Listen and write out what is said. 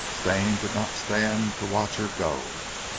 Stane did not stand to watch her go.